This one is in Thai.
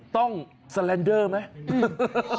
ต้องสแลนเดอร์ไหม